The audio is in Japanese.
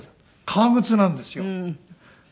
革靴なんですよ。